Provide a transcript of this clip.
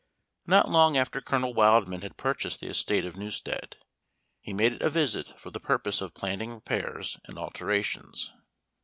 Not long after Colonel Wildman had purchased the estate of Newstead, he made it a visit for the purpose of planning repairs and alterations.